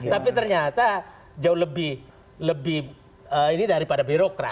tapi ternyata jauh lebih ini daripada birokrat